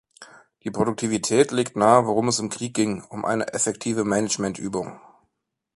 Die Produktivität legt nahe, worum es im Krieg ging: um eine effektive Managementübung.